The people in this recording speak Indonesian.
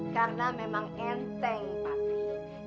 karena memang enteng papi